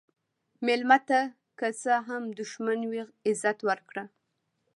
مېلمه ته که څه هم دښمن وي، عزت ورکړه.